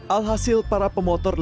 alhasil para pemotor lalu berpikir